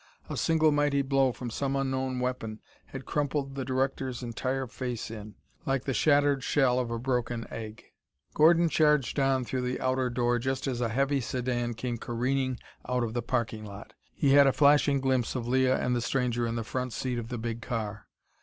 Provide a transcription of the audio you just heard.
A single mighty blow from some unknown weapon had crumpled the director's entire face in, like the shattered shell of a broken egg. Gordon charged on through the outer door just as a heavy sedan came careening out of the parking lot. He had a flashing glimpse of Leah and the stranger in the front seat of the big car.